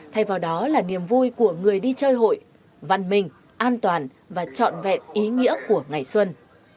thay vào đó là niềm vui của người đi chơi hội văn minh an toàn và trọn vẹn ý nghĩa của ngày xuân